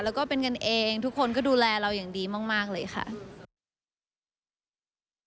แล้วก็เป็นกันเองทุกคนก็ดูแลเราอย่างดีมากเลยค่ะ